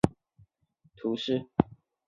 乌济伊人口变化图示